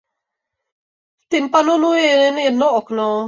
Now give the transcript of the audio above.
V tympanonu je jedno okno.